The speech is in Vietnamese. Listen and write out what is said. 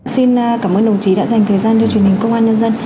xin cảm ơn đồng chí đã dành thời gian cho truyền hình công an nhân dân